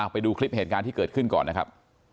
ไปดูคลิปเหตุการณ์ที่เกิดขึ้นก่อนนะครับ